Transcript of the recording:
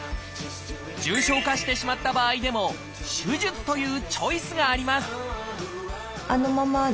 重症化してしまった場合でも「手術」というチョイスがあります